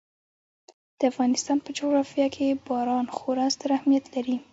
د افغانستان په جغرافیه کې باران خورا ستر اهمیت لري.